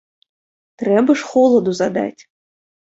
Трэба ж холаду задаць.